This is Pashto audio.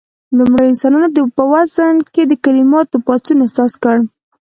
لومړيو انسانانو په وزن کې د کليماتو پاڅون احساس کړ.